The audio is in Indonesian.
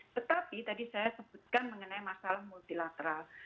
tetapi tadi saya sebutkan mengenai masalah multilateral